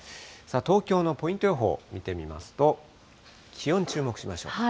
東京のポイント予報見てみますと、気温、注目しましょう。